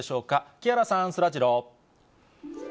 木原さん、そらジロー。